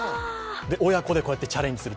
親子でこうやってチャレンジと。